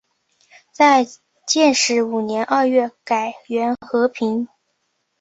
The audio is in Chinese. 在建始五年二月改元河平。